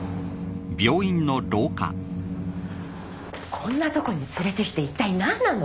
こんなとこに連れてきて一体何なの？